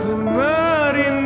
melihatmu dari jauh jauh